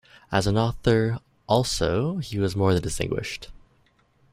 As an author also he was more than distinguished.